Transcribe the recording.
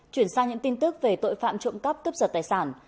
chuyển sang những tin tức về tội phạm trộm cắp cấp sật tài sản